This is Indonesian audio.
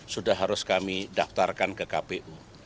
sudah harus kami daftarkan ke kpu